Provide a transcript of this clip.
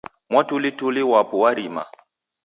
Mwatulituli wapu warima..